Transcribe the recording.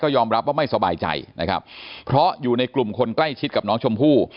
ยอมรับว่าไม่สบายใจนะครับเพราะอยู่ในกลุ่มคนใกล้ชิดกับน้องชมพู่